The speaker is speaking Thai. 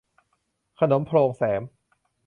ขนมโพรงแสม